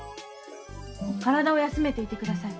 体を休めていて下さい。